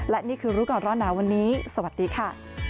และนี่คือรู้ก่อนร้อนหนาวันนี้สวัสดีค่ะ